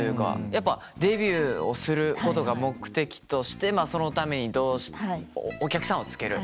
やっぱデビューをすることが目的としてまあそのためにお客さんをつける。